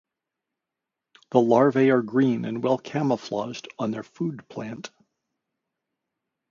The larvae are green and well camouflaged on their food plant.